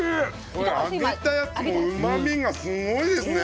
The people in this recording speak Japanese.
これ揚げたやつもうまみがすごいですね。